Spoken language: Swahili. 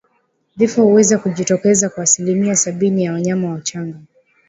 Vifo huweza kujitokeza kwa asilimia sabini ya wanyama wachanga